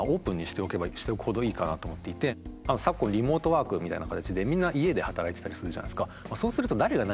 基本的に昨今リモートワークみたいな形でみんな家で働いてたりするじゃないですか。